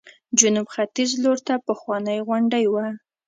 جنوب ختیځ لورته پخوانۍ غونډۍ وه.